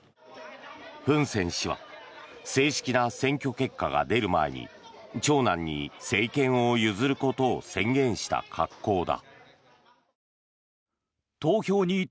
フン・セン氏は正式な選挙結果が出る前に長男に政権を譲ることを宣言した格好だ。